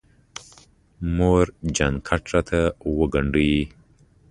ببۍ! جاکټ راته وګنډه.